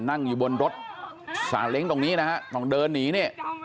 นั่งอยู่บนรถสาเล้งตรงนี้นะฮะต้องเดินหนีนี่